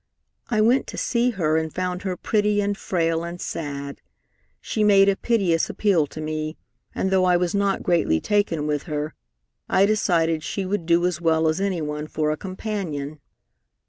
I went to see her, and found her pretty and frail and sad. She made a piteous appeal to me, and though I was not greatly taken with her, I decided she would do as well as any one for a companion.